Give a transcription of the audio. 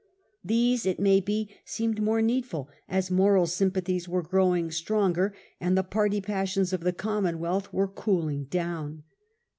These, it may be, seemed more needful, as moral sympathies were growing stronger and the party passions of the Commonwealth were cooling down.